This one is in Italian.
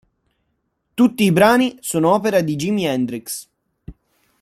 Tutti i brani sono opera di Jimi Hendrix.